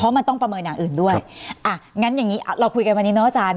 มันต้องประเมินอย่างอื่นด้วยอ่ะงั้นอย่างงี้เราคุยกันวันนี้เนอะอาจารย์